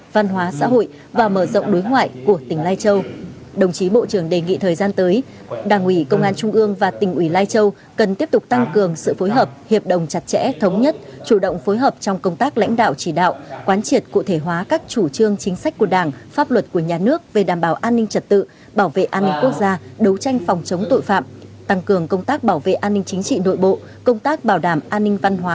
văn hóa xã hội và mở rộng đối ngoại của tỉnh lai châu đồng chí bộ trưởng đề nghị thời gian tới đảng ủy công an trung ương và tỉnh ủy lai châu cần tiếp tục tăng cường sự phối hợp hiệp đồng chặt chẽ thống nhất chủ động phối hợp trong công tác lãnh đạo chỉ đạo quán triệt cụ thể hóa các chủ trương chính sách của đảng pháp luật của nhà nước về đảm bảo an ninh trật tự bảo vệ an ninh quốc gia đấu tranh phòng chống tội phạm tăng cường công tác bảo vệ an ninh chính trị nội bộ công tác bảo đảm an ninh văn h